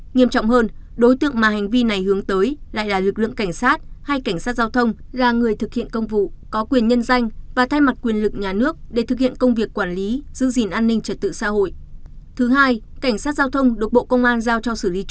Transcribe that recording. nghiêm trọng hơn đối tượng mà hành vi này hướng tới lại là lực lượng cảnh sát hay cảnh sát giao thông là người thực hiện công vụ có quyền nhân danh và thay mặt quyền lực nhà nước để thực hiện công việc quản lý giữ gìn an ninh trật tự xã hội